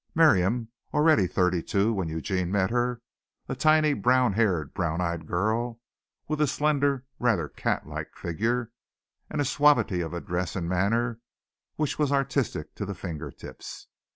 Miriam, already thirty two when Eugene met her a tiny, brown haired, brown eyed girl, with a slender, rather cat like figure and a suavity of address and manner which was artistic to the finger tips.